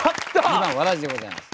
２番「わらぢ」でございます。